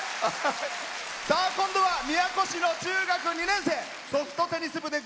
今度は宮古市の中学２年生。